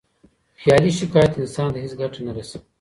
خیالي شکایت انسان ته هیڅ ګټه نه رسوي.